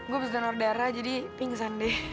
gue abis donor darah jadi pingsan deh